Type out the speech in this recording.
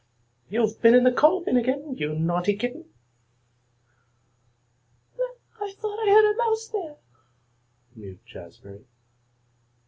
You've been in the coal bin again, you naughty kitten." "Well, I thought I heard a mouse there," mewed Jazbury.